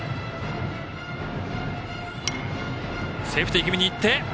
セーフティー気味にいって。